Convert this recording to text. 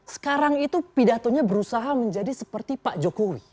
sekarang itu pidatonya berusaha menjadi seperti pak jokowi